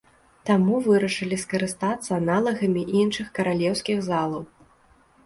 Таму вырашылі скарыстацца аналагамі іншых каралеўскіх залаў.